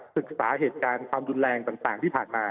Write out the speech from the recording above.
ศึกษาเหตุการณ์ความรุนแรงต่างที่ผ่านมา